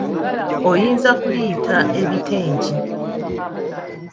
Oyinza kuliyita ebitengi.